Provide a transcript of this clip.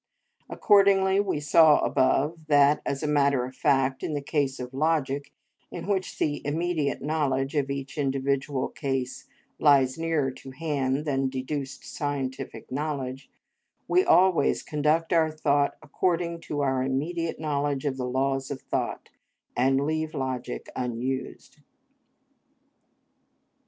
Accordingly we saw above that, as a matter of fact, in the case of logic, in which the immediate knowledge in each individual case lies nearer to hand than deduced scientific knowledge, we always conduct our thought according to our immediate knowledge of the laws of thought, and leave logic unused.